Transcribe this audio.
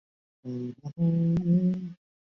河名衍生出当地镇名琅南塔及省名琅南塔省。